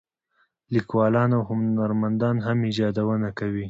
لیکوالان او هنرمندان هم ایجادونه کوي.